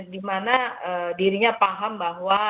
dimana dirinya paham bahwa